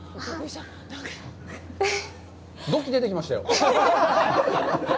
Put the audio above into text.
土器、出てきましたよ。